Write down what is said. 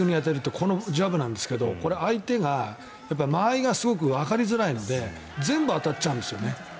このジャブなんですけどこれ、相手が間合いがすごくわかりづらいので全部当たっちゃうんですよね。